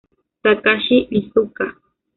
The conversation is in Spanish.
Takashi Iizuka